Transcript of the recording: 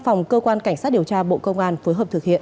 phòng cơ quan cảnh sát điều tra bộ công an phối hợp thực hiện